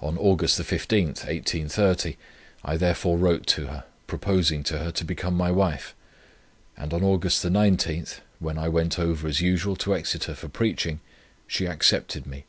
On Aug. 15th, 1830, I therefore wrote to her, proposing to her to become my wife, and on Aug. 19th, when I went over as usual to Exeter for preaching, she accepted me.